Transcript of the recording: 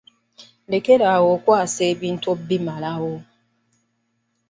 Lekera awo okwasa ebintu okubimalawo.